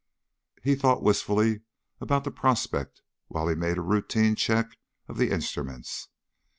He thought wistfully about the prospect while he made a routine check of the instruments.